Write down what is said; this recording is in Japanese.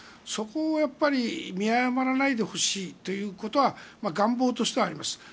そこをやっぱり見誤らないでほしいということは願望としてはあります。